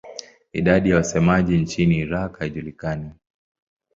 Idadi ya wasemaji nchini Iraq haijulikani.